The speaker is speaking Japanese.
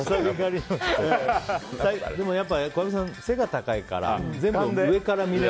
やっぱり小籔さん背が高いから全部上から見れる。